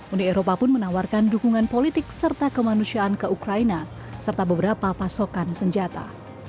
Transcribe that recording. uni eropa pun menawarkan dukungan politik serta kemanusiaan ke ukraina serta beberapa pasokan senjata